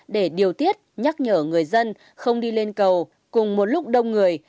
để điều tiết nhắc nhở người dân không đi lên cầu cùng một lúc đông người